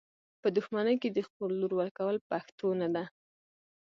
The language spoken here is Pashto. په دښمني کي د خور لور ورکول پښتو نده .